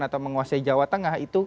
atau menguasai jawa tengah itu